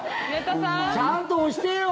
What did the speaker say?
ちゃんと押してよ！